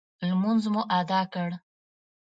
لمونځ مو اداء کړ.